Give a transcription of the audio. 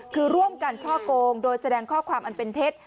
คือร่วมกันช่อกงโดยแสดงข้อความอันเป็นเท็จ